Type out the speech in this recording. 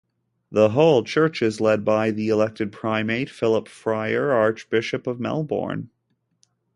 The whole church is led by the elected Primate, Philip Freier, Archbishop of Melbourne.